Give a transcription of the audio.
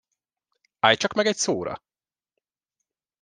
Állj csak meg egy szóra!